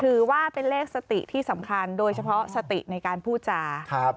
ถือว่าเป็นเลขสติที่สำคัญโดยเฉพาะสติในการพูดจาครับ